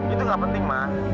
itu gak penting ma